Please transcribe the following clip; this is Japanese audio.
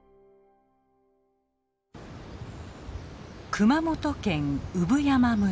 熊本県産山村。